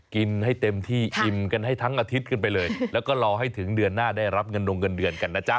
กินให้เต็มที่อิ่มกันให้ทั้งอาทิตย์ขึ้นไปเลยแล้วก็รอให้ถึงเดือนหน้าได้รับเงินดงเงินเดือนกันนะจ๊ะ